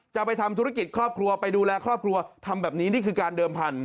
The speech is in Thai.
จะไปทำธุรกิจครอบครัวไปดูแลครอบครัวทำแบบนี้นี่คือการเดิมพันธ